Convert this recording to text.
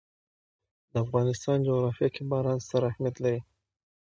د افغانستان جغرافیه کې باران ستر اهمیت لري.